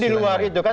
ya itu di luar itu kan